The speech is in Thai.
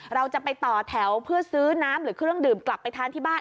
เราจะไปต่อแถวเพื่อซื้อน้ำหรือเครื่องดื่มกลับไปทานที่บ้าน